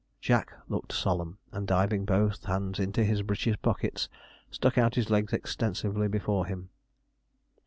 Jack looked solemn; and diving both hands into his breeches' pockets, stuck out his legs extensively before him.